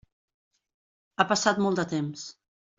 Ha passat molt de temps.